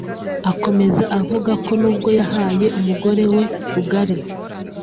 Akomeza avuga ko nubwo yahaye umugore we rugari